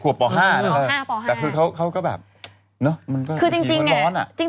อ๋อ๑๑ขวบป๕นะแต่คือเขาก็แบบเนอะมันก็ร้อนอ่ะ